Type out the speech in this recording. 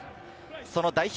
その代表